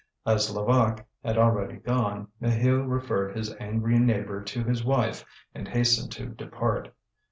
As Levaque had already gone, Maheu referred his angry neighbour to his wife and hastened to depart.